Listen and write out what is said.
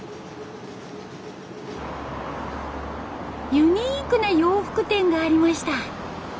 ユニークな洋服店がありました。